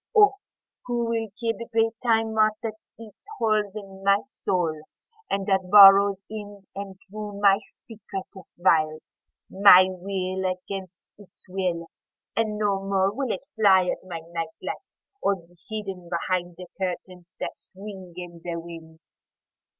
(O who will kill the great Time Moth that eats holes in my soul and that burrows in and through my secretest veils!)My will against its will, and no more will it fly at my night light or be hidden behind the curtains that swing in the winds.